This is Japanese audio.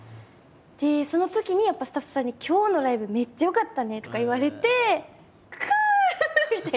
そのときにやっぱスタッフさんに「今日のライブめっちゃよかったね」とか言われて「くぅ！」みたいな。